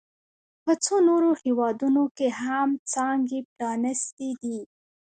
په څو نورو هېوادونو کې هم څانګې پرانیستي دي